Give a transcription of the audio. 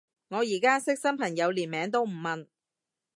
我而家識新朋友連名都唔問